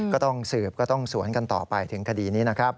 ก็ต้องสืบก็ต้องสวนกันต่อไปถึงคดีนี้นะครับ